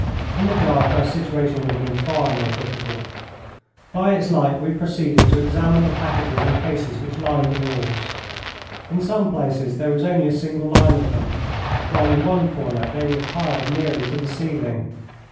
In the dark our situation would have been far more difficult. By its light we proceeded to examine the packages and cases which lined the walls. In some places there was only a single line of them, while in one corner they were piled nearly to the ceiling.